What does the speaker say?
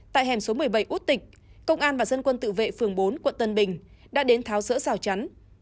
tại hẻm số một mươi bảy út tịch công an và dân quân tự vệ phường bốn quận tân bình đã đến tháo rỡ rào chắn